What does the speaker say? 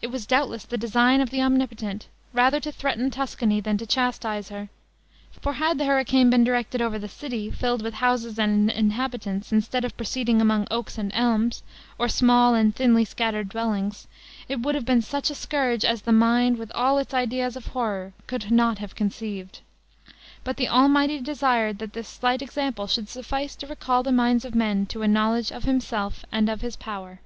It was doubtless the design of the Omnipotent, rather to threaten Tuscany than to chastise her; for had the hurricane been directed over the city, filled with houses and inhabitants, instead of proceeding among oaks and elms, or small and thinly scattered dwellings, it would have been such a scourge as the mind, with all its ideas of horror, could not have conceived. But the Almighty desired that this slight example should suffice to recall the minds of men to a knowledge of himself and of his power.